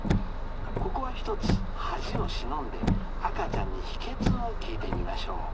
ここは一つ恥をしのんで赤ちゃんに秘けつを聞いてみましょう。